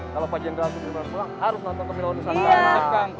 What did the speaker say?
kalau pak jendral sudah pulang harus nonton ke milau nusantara